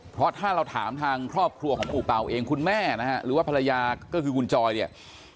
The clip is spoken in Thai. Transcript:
เพราะถ้าเราถามทางครอบครัวของหมู่เป่าเองคุณแม่นะฮะหรือว่าภรรยาก็คือคุณจอยเนี่ย